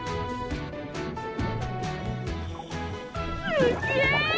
すっげえ！